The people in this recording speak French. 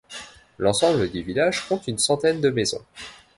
L’ensemble du village compte une centaine de maisons.